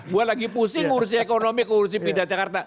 gue lagi pusing urusnya ekonomi urusnya pindah jakarta